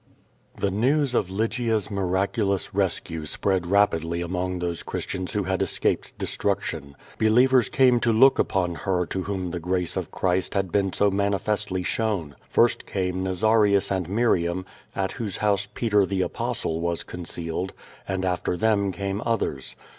The news of Lygia's miraculous rescue spread rapidly among those Christians who had escaped destruction. Be lievers came to look upon her to whom the grace of Christ had been so manifestly shown. First came Nazarius and Mi riam, at whose house Peter, the Apostle, Avas concealed, and after them came others.